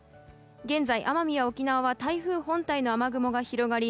現在、奄美や沖縄は台風本体の雨雲が広がり